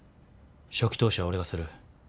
初期投資は俺がする。